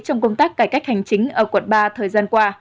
trong công tác cải cách hành chính ở quận ba thời gian qua